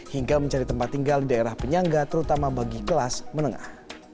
hingga mencari tempat tinggal di daerah penyangga terutama bagi kelas menengah